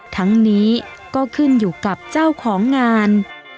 ทั้งนี้ก็ขึ้นอยู่กับเจ้าของงาน